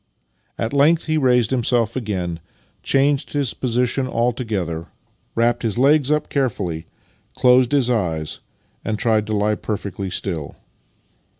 At length he raised himself again, changed his position altogether, wrapped his legs up carefully, closed his eyes, and tried to lie perfectly still.